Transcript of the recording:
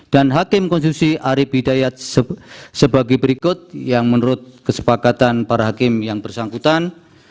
dan hakim konstitusi arief hidayat sebagai berikut yang menurut kesepakatan para hakim yang bersangkutan